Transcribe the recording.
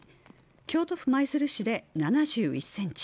京都府舞鶴市で７１センチ